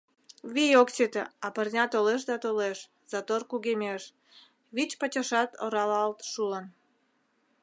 Вий ок сите, а пырня толеш да толеш, затор кугемеш, вич пачашат оралалт шуын.